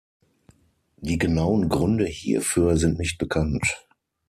Die genauen Gründe hierfür sind nicht bekannt.